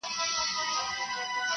• په هوا کي ماڼۍ نه جوړېږي -